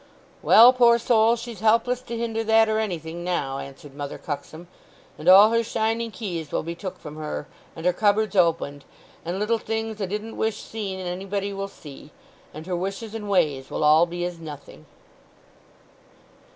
"Well, poor soul; she's helpless to hinder that or anything now," answered Mother Cuxsom. "And all her shining keys will be took from her, and her cupboards opened; and little things a' didn't wish seen, anybody will see; and her wishes and ways will all be as nothing!"